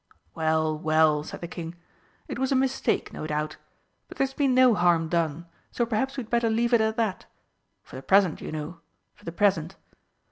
"Well, well," said the King, "it was a mistake no doubt. But there's been no harm done, so perhaps we'd better leave it at that for the present, you know, for the present."